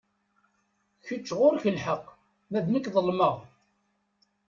Kečč ɣur-k lḥeqq, ma d nekk ḍelmeɣ.